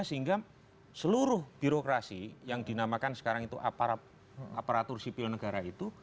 sehingga seluruh birokrasi yang dinamakan sekarang itu aparatur sipil negara itu